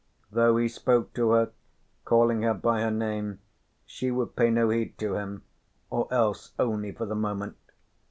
Though he spoke to her, calling her by her name, she would pay no heed to him, or else only for the moment.